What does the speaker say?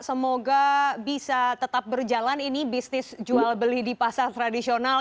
semoga bisa tetap berjalan ini bisnis jual beli di pasar tradisional